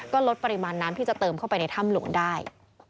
ก็ลดปริมาณน้ำที่จะเติมเข้าไปในถ้ำหลวงได้